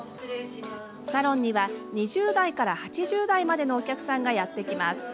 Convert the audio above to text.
サロンには２０代から８０代までのお客さんがやって来ます。